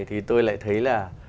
thì tôi lại thấy là